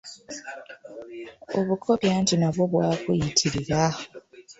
Obukopi anti nabwo bwakuyitirira.